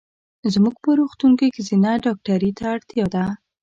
زمونږ په روغتون کې ښځېنه ډاکټري ته اړتیا ده.